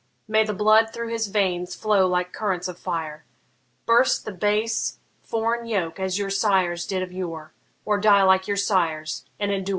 May the blood through his veins flow like currents of fire! Burst the base foreign yoke as your sires did of yore, Or die like your sires, and endure it no more!